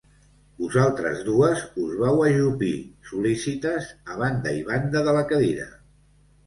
Vosaltres dues us vau ajupir, sol·lícites, a banda i banda de la cadira.